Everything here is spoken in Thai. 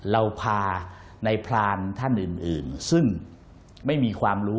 เราพาในพรานท่านอื่นซึ่งไม่มีความรู้